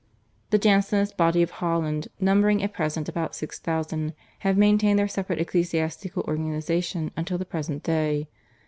The Jansenist body of Holland, numbering at present about six thousand, have maintained their separate ecclesiastical organisation until the present day.